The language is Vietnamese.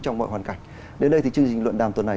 trong mọi hoàn cảnh đến đây thì chương trình luận đàm tuần này